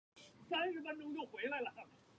染料木为豆科染料木属下的一个种。